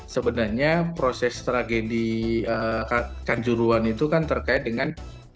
sebenarnya proses tragedi kanjuruan itu kan terkait dengan